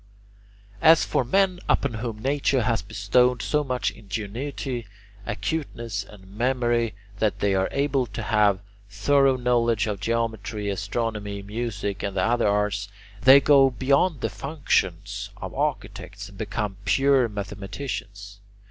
As for men upon whom nature has bestowed so much ingenuity, acuteness, and memory that they are able to have a thorough knowledge of geometry, astronomy, music, and the other arts, they go beyond the functions of architects and become pure mathematicians.